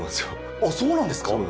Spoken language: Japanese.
そうなんですか。